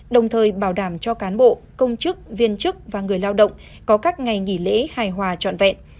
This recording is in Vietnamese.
đồng thời bảo đảm cho cán bộ công chức viên chức và người lao động có các ngày nghỉ lễ hài hòa trọn vẹn